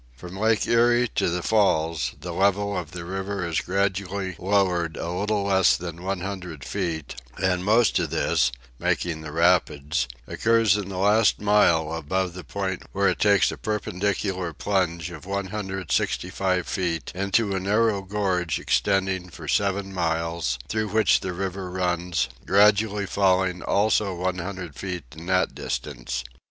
From Lake Erie to the falls the level of the river is gradually lowered a little less than 100 feet, and most of this (making "the rapids") occurs in the last mile above the point where it takes a perpendicular plunge of 165 feet into a narrow gorge extending for seven miles, through which the river runs, gradually falling also 100 feet in that distance.